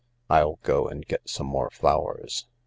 I'll go and get some more flowers.